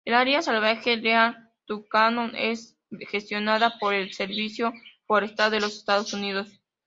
El área salvaje Wenaha–Tucannon es gestionada por el Servicio Forestal de los Estados Unidos.